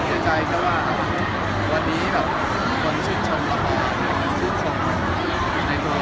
เสียใจก็ว่าวันนี้เป็นคนชื่นชมของของในตัว